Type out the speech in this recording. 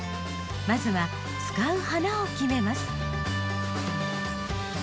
まずは使う花を決めます。